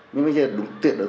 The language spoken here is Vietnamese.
nhưng bây giờ đúng tuyệt vời